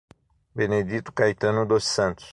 Benedito Caetano dos Santos